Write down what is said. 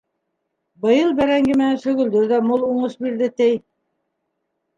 Быйыл бәрәңге менән сөгөлдөр ҙә мул уңыш бирҙе, ти.